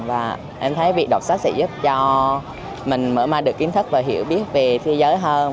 và em thấy việc đọc sách sẽ giúp cho mình mở ma được kiến thức và hiểu biết về thế giới hơn